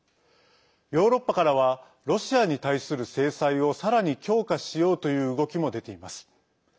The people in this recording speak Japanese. ヨーロッパからはロシアに対する制裁をさらに強化しようという動きも出ています。